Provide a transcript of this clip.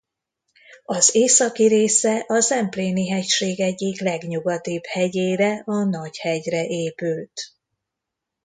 Az északi része a Zempléni-hegység egyik legnyugatibb hegyére a Nagy-hegyre épült.